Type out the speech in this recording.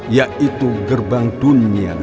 yaitu gerbang dunia